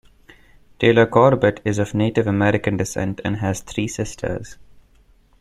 Taylor-Corbett is of Native American descent and has three sisters.